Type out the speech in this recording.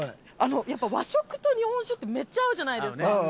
やっぱ和食と日本酒ってめっちゃ合うじゃないですか。